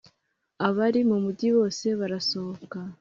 abari mu mugi bose barasohoka